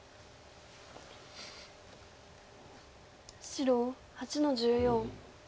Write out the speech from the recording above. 白８の十四。